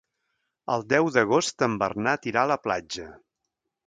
El deu d'agost en Bernat irà a la platja.